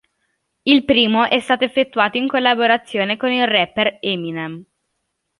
Il primo, è stato effettuato in collaborazione con il rapper Eminem.